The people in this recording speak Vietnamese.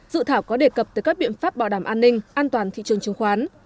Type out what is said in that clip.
dự thảo có đề cập tới các biện pháp bảo đảm an ninh an toàn thị trường chứng khoán